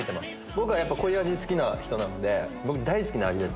僕濃い味好きな人なので大好きな味ですね。